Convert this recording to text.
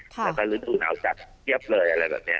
แล้วก็ฤดูหนาวจัดเพียบเลยอะไรแบบนี้